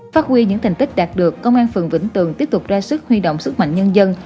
phát huy những thành tích đạt được công an phường vĩnh tường tiếp tục ra sức huy động sức mạnh nhân dân